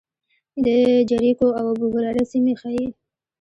د جریکو او ابوهریره سیمې ښيي.